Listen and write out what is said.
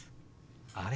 あれ？